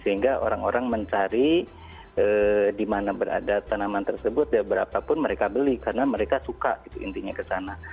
sehingga orang orang mencari di mana berada tanaman tersebut ya berapapun mereka beli karena mereka suka gitu intinya ke sana